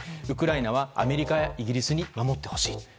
ウクライナはアメリカやイギリスに守ってほしい。